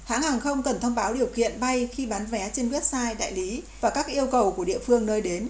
hãng hàng không cần thông báo điều kiện bay khi bán vé trên website đại lý và các yêu cầu của địa phương nơi đến